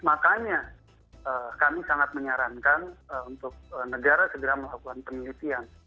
makanya kami sangat menyarankan untuk negara segera melakukan penelitian